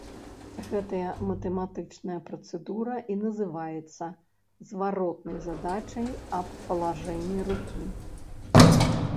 Гэтая матэматычная працэдура і называецца зваротнай задачай аб палажэнні рукі.